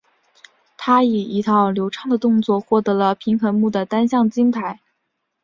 她以一套流畅的动作获得了平衡木的单项金牌。